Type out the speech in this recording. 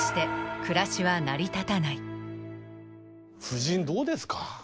夫人どうですか？